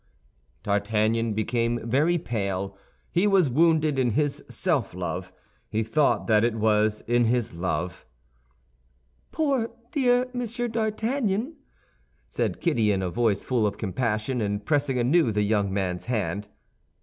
D'Artagnan became very pale; he was wounded in his self love: he thought that it was in his love. "Poor dear Monsieur d'Artagnan," said Kitty, in a voice full of compassion, and pressing anew the young man's hand.